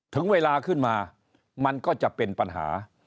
ถึงเวลาขึ้นมามันก็จะเป็นปัญหา